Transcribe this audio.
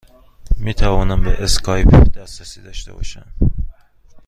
می توانم به اسکایپ دسترسی داشته باشم؟